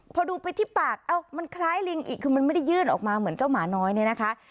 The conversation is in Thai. พอดูไปที่ปากเอ้ามันคล้ายลิงอีกคือมันไม่ได้ยื่นออกมาเหมือนเจ้าหมาน้อยเนี่ยนะคะ